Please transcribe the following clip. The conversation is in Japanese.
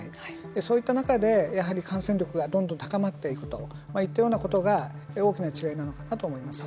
そういった中でやはり感染力がどんどん高まっていくといったようなことが大きな違いなのかなと思います。